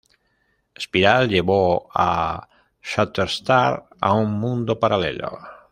Espiral llevó a Shatterstar a un mundo paralelo.